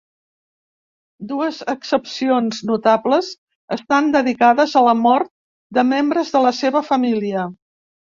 Dues excepcions notables estan dedicades a la mort de membres de la seva família.